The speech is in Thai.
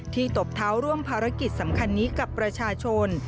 ตบเท้าร่วมภารกิจสำคัญนี้กับประชาชน